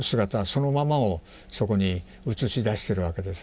そのままをそこに映し出してるわけですね。